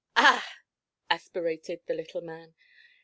'Ah h h!' aspirated the little man.